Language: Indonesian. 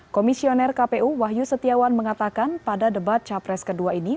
komisioner kpu wahyu setiawan mengatakan pada debat capres kedua ini